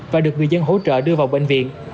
và được người dân hỗ trợ đưa vào bệnh viện